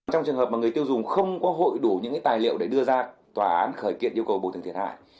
trong trường hợp mà người tiêu dùng không có hội đủ những tài liệu để đưa ra tòa án khởi kiện yêu cầu bồi thường thiệt hại